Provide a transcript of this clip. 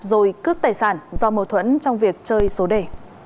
rồi cướp tài sản do mâu thuẫn trong việc chơi số đề